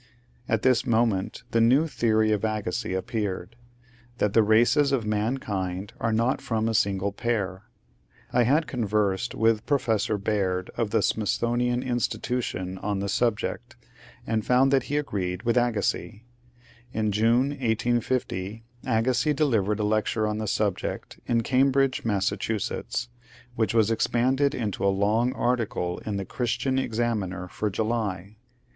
At this moment the new theory of Agassiz appeared — that the races of mankind are not from a single pair. I had con versed with Professor Baird of the Smithsonian Institution on the subject, and found that he agreed with Agassiz. In June, ^ 1850, Agassiz delivered a lecture on the subject in Cam bridge, Mass., which was expanded into a long article in the ^^ Christian Examiner " for July.